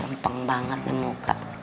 lempeng banget nih muka